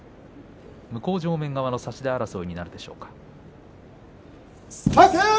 向正面側の差し手争いになるでしょうか。